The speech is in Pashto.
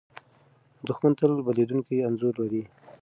دښمن تل بدلېدونکی انځور لري.